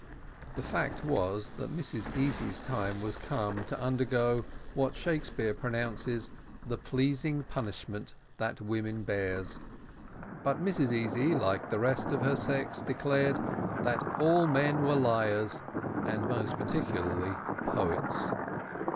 The fact was, that Mrs Easy's time was come, to undergo what Shakespeare pronounces "the pleasing punishment that women bear;" but Mrs Easy, like the rest of her sex, declared, "that all men were liars," and most particularly poets.